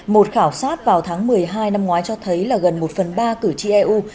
một khảo sát vào tháng một mươi hai năm ngoái cho thấy là gần một phần ba cử tri eu